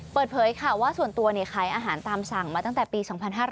เปิดเผยค่ะว่าส่วนตัวขายอาหารตามสั่งมาตั้งแต่ปี๒๕๕๙